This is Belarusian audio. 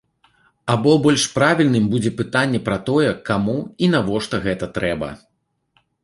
Або больш правільным будзе пытанне пра тое, каму і навошта гэта трэба?